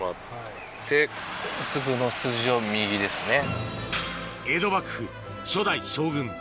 すぐの筋を右ですね。